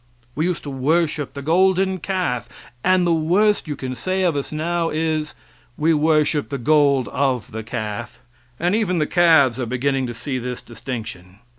We used to worship the golden calf, and the worst you can say of us now, is, we worship the gold of the calf, and even the calves are beginning to see this distinction.